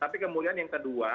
tapi kemudian yang kedua